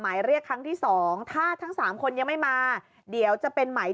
หมายเรียกครั้งที่สองถ้าทั้ง๓คนยังไม่มาเดี๋ยวจะเป็นหมาย